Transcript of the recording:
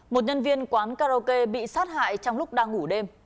một nhân viên quán karaoke bị sát hại trong lúc đang ngủ đêm